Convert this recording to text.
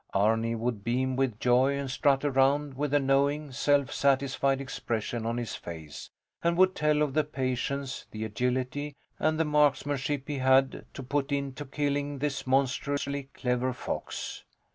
Arni would beam with joy and strut around with a knowing, self satisfied expression on his face, and would tell of the patience, the agility, and the marksmanship he had to put into killing this monstrously clever fox.